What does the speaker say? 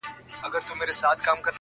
په کتو یې بې ساغره بې شرابو نشه کيږم